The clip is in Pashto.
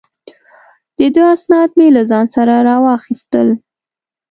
د ده اسناد مې له ځان سره را واخیستل.